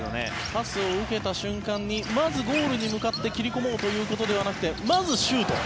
パスを受けた瞬間にまずゴールに向かって切り込もうということではなくてまず、シュート。